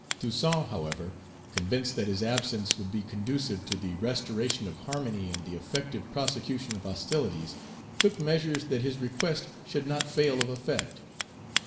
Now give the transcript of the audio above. Toussaint, however, convinced that his absence would be conducive to the restoration of harmony and the effective prosecution of hostilities, took measures that his request should not fail of effect.